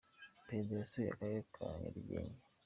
perezida yasuye akarere ka nyarugenge.